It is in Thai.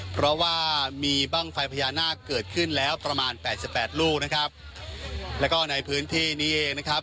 เพราะว่ามีบ้างไฟพญานาคเกิดขึ้นแล้วประมาณแปดสิบแปดลูกนะครับแล้วก็ในพื้นที่นี้เองนะครับ